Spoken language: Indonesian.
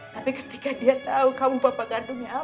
tapi ketika dia tau kamu papa gandumnya